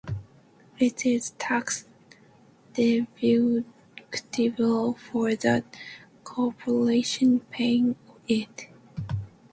It is tax deductible for the corporation paying it.